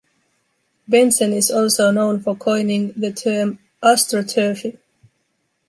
Bentsen is also known for coining the term astroturfing.